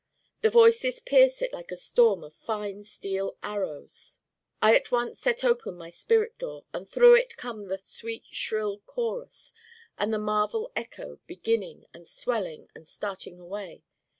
The Voices pierce it like a storm of fine steel arrows. I at once set open my spirit door and through it come the sweet shrill chorus and the marvel echo beginning and swelling and starting away.